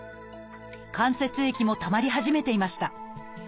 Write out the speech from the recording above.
関節液もたまり始めていました。